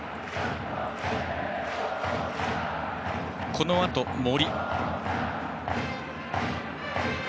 このあと森。